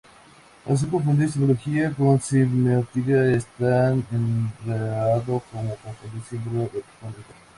Así, confundir semiología con semiótica es tan errado como confundir símbolo con icono.